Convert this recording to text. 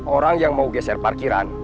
orang yang mau geser parkiran